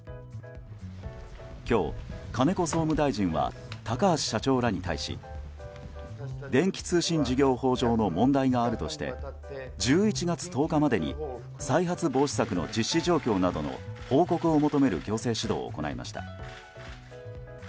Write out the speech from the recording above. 今日、金子総務大臣は高橋社長らに対し電気通信事業法上の問題があるとして１１月１０日までに再発防止策の実施状況などの報告を求める行政指導を行いました。